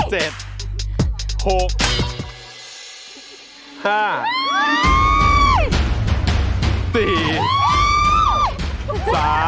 หมดเวลา